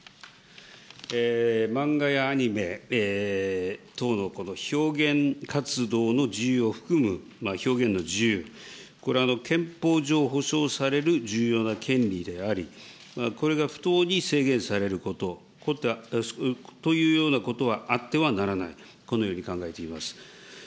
漫画やアニメ、等の表現活動の自由を含む、表現の自由、これ、憲法上保証される重要な権利であり、これが不当に制限されること、というようなことはあってはならない、このように考えています。